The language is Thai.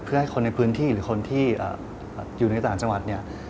เพื่อให้คนในพื้นที่หรือคนที่อยู่ในต่างจังหวัดเนี่ย